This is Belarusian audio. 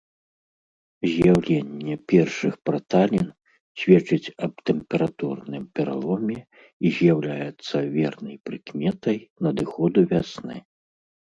З'яўленне першых праталін сведчыць аб тэмпературным пераломе і з'яўляецца вернай прыкметай надыходу вясны.